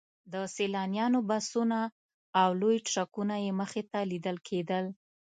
د سیلانیانو بسونه او لوی ټرکونه یې مخې ته لیدل کېدل.